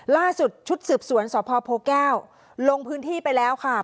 ล่าสุดชุดสืบสวนสพโพแก้วลงพื้นที่ไปแล้วค่ะ